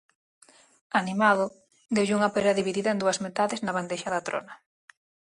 Animado, deulle unha pera dividida en dúas metades na bandexa da trona.